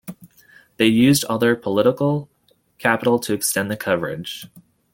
They used all their political capital to extend the coverage.